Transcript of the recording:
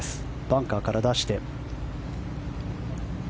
バンカーから出して。